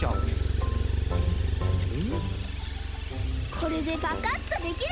これでパカッとできる！